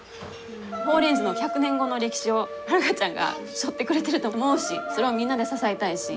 宝蓮寺の１００年後の歴史を晴香ちゃんがしょってくれてると思うしそれをみんなで支えたいし。